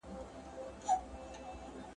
کوربه هیواد باید محتاط واوسي.